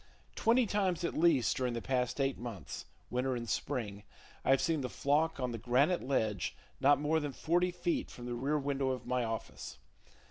Twenty times at least during the past eight months (winter and spring) I have seen the flock on the granite ledge not more than forty feet from the rear window of my office.